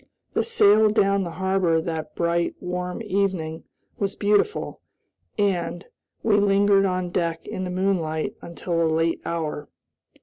The sail down the harbor that bright, warm evening was beautiful, and, we lingered on deck in the moonlight until a late hour.